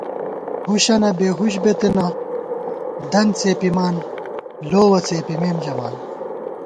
ہُشّنہ بےہُش بِتَنہ، دن څېپِمان، لووَہ څِمپِمېم ژَمان